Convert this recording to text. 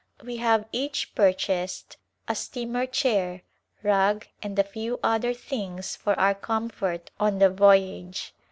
We have each purchased a steamer chair, rug and a few other things for our comfort on the voyage.